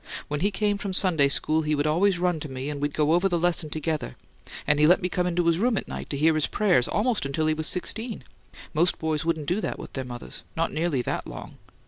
When he came from Sunday school he'd always run to me and we'd go over the lesson together; and he let me come in his room at night to hear his prayers almost until he was sixteen. Most boys won't do that with their mothers not nearly that long.